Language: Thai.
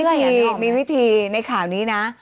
มีวิธีในข่าวนี้นะ